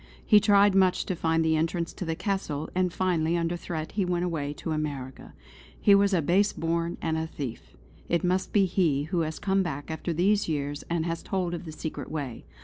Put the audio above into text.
He tried much to find the entrance to the Castle, and finally under threat he went away to America. He was a base born and a thief. It must be he who has come back after these years and has told of the secret way.